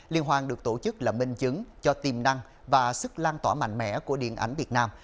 liên hoan được tổ chức là minh chứng cho tiềm năng và sức lan tỏa mạnh mẽ của điện ảnh việt nam